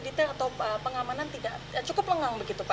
security atau pengamanan cukup lengang begitu pak